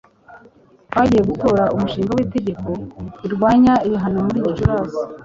Bagiye Gutora umushinga w'itegeko rirwanya ibihano muri Gicurasi